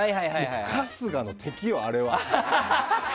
春日の敵よ、あれは。